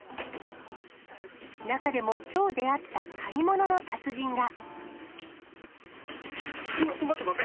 中でもきょう出会った買い物の達人が。